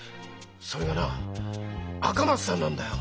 それがな赤松さんなんだよ。